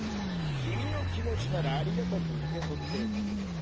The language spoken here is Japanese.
君の気持ちならありがたく受け取っておくよ。